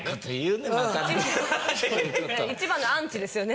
一番のアンチですよね。